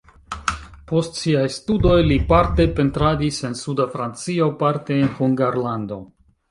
Post siaj studoj li parte pentradis en suda Francio, parte en Hungarlando.